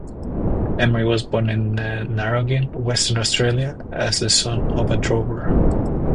Emery was born in Narrogin, Western Australia, as the son of a drover.